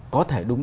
có thể đúng